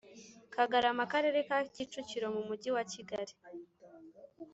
kagarama akarere ka kicukiro mu mujyi wa kigali